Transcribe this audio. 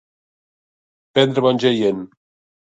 Prendre bon jaient.